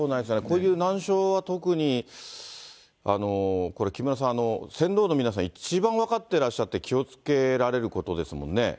こういう難所は特に、これ、木村さん、船頭の皆さん、一番分かってらっしゃって、気をつけられることですもんね。